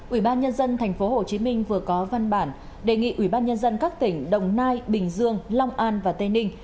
ủy ban nhân dân tp hcm vừa có văn bản đề nghị ủy ban nhân dân các tỉnh đồng nai bình dương long an và tây ninh